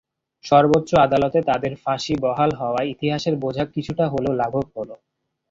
সর্বোচ্চ আদালতে তাঁদের ফাঁসি বহাল হওয়ায় ইতিহাসের বোঝা কিছুটা হলেও লাঘব হলো।